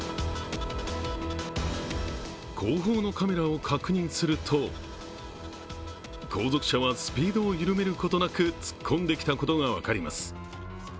後方のカメラを確認すると、後続車はスピードを緩めることなく突っ込んできたことが分かります。